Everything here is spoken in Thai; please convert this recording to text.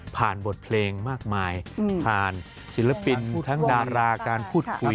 บทเพลงมากมายผ่านศิลปินทั้งดาราการพูดคุย